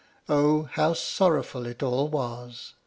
Oh, how sorrowful it all was!